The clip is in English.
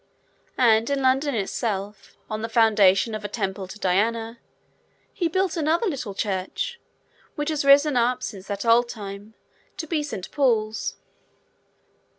And, in London itself, on the foundation of a temple to Diana, he built another little church which has risen up, since that old time, to be Saint Paul's.